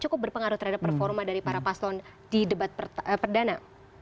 cukup berpengaruh terhadap performa dari para paslon di debat perdana